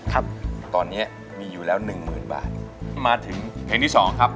ครับตอนเนี้ยมีอยู่แล้วหนึ่งหมื่นบาทมาถึงเพลงที่สองครับ